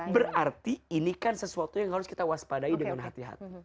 berarti ini kan sesuatu yang harus kita waspadai dengan hati hati